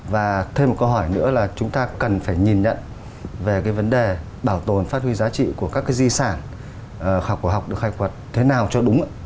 và thêm một câu hỏi nữa là chúng ta cần phải nhìn nhận về cái vấn đề bảo tồn phát huy giá trị của các cái di sản khảo cổ học được khai quật thế nào cho đúng